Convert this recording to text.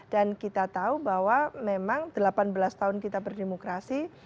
dan kita tahu bahwa memang delapan belas tahun kita berdemokrasi